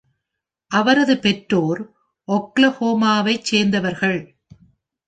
அவரது பெற்றோர் ஓக்லஹோமாவைச் சேர்ந்தவர்கள்.